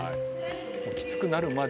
きつくなるまで。